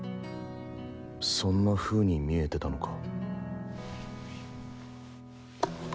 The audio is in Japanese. そんな風に見えてたのか